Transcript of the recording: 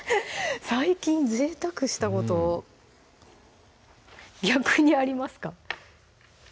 最近ぜいたくしたこと逆にありますか？